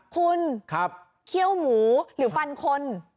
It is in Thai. คุณเคี่ยวหมูหรือฟันคน